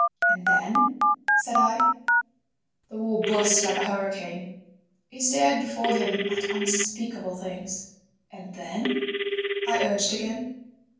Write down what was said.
"And then?" said I. "The war burst like a hurricane." He stared before him at unspeakable things. "And then?" I urged again.